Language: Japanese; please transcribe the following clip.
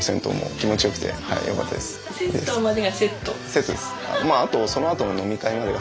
セットです。